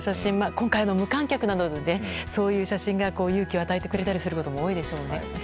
今回は無観客なのでそういう写真が勇気を与えてくれたりすることも多いでしょうね。